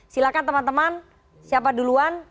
silahkan teman teman siapa duluan